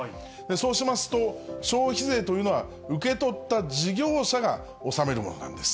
そうしますと、消費税というのは、受け取った事業者が納めるものなんです。